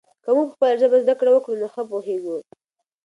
که موږ په خپله ژبه زده کړه وکړو نو ښه پوهېږو.